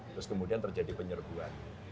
terus kemudian terjadi penyerbuan